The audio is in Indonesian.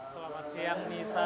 selamat siang nisa